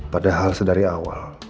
padahal sedari awal